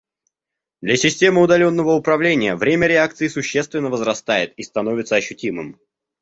Для системы удаленного управления время реакции существенно возрастает и становится ощутимым